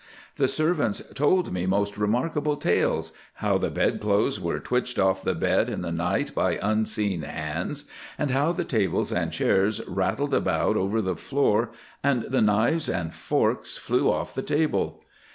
The servants told me most remarkable tales—how the bedclothes were twitched off the bed in the night by unseen hands, and how the tables and chairs rattled about over the floor, and the knives and forks flew off the table.